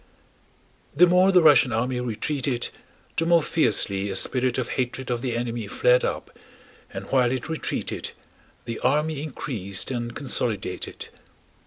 The more the Russian army retreated the more fiercely a spirit of hatred of the enemy flared up, and while it retreated the army increased and consolidated.